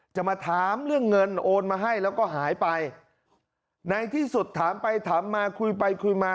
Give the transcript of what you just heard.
จะมาถามเรื่องเงินโอนมาให้แล้วก็หายไปในที่สุดถามไปถามมาคุยไปคุยมา